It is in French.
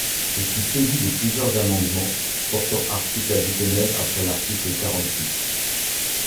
Je suis saisie de plusieurs amendements portant article additionnel après l’article quarante-six.